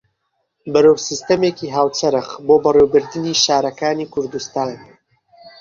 بەرەو سیستەمێکی هاوچەرخ بۆ بەڕێوەبردنی شارەکانی کوردستان